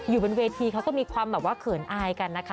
อยู่บนเวรถีเขามีความเผินอายกันนะคะ